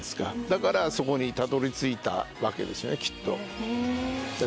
だからそこにたどり着いたわけですよねきっと。